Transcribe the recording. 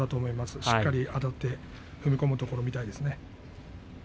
しっかりあたって踏み込むところを見たいですね。